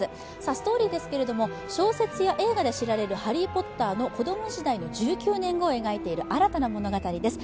ストーリーですけれども、小説や映画で知られるハリー・ポッターの子供時代の１９年後を描いている新たな物語です。